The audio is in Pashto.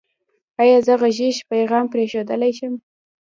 ایا زه غږیز پیغام پریښودلی شم؟